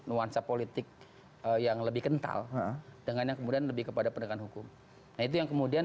nuansa politik yang lebih kental dengan yang kemudian lebih kepada pendekatan hukum nah itu yang kemudian